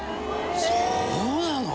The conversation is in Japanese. そうなの？